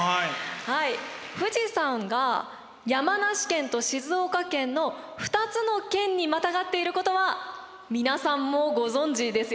富士山が山梨県と静岡県の２つの県にまたがっていることは皆さんもご存じですよね。